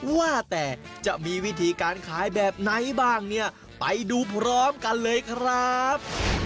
ว่าแต่จะมีวิธีการขายแบบไหนบ้างเนี่ยไปดูพร้อมกันเลยครับ